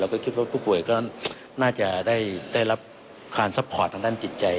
แล้วก็คิดว่าผู้ป่วยก็น่าจะได้รับการซัพพอร์ตทางด้านจิตใจ